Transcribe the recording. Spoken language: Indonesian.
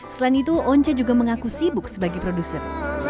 selain itu once juga mengaku sibuk sebagai produser